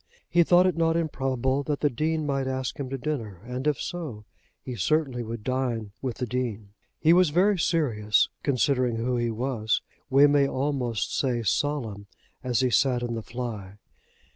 He thought it not improbable that the Dean might ask him to dinner, and, if so, he certainly would dine with the Dean. He was very serious, considering who he was, we may almost say solemn, as he sat in the fly.